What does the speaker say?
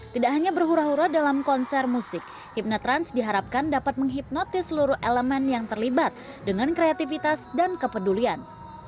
tidak hanya berhura hura dalam konser musik hipnatrans diharapkan dapat menghipnotis seluruh elemen yang terlibat dengan kreativitas dan kepedulian